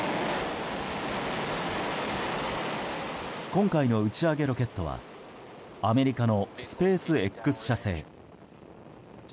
今回の打ち上げロケットはアメリカのスペースＸ社製。